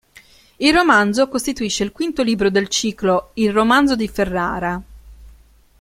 Il romanzo costituisce il quinto libro del ciclo "Il romanzo di Ferrara".